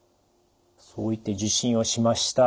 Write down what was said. そう言って受診をしました。